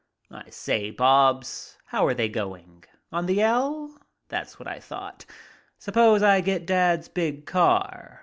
"I say, Bobs, how are they going? On the L! That's what I thought. Suppose I get Dad's big car.